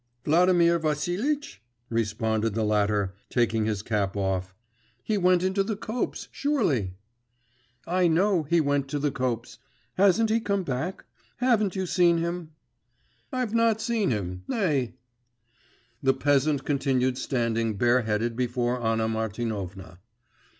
'Vladimir Vassilitch?' responded the latter, taking his cap off. 'He went into the copse, surely.' 'I know, he went to the copse. Hasn't he come back? Haven't you seen him?' 'I've not seen him … nay.' The peasant continued standing bareheaded before Anna Martinovna.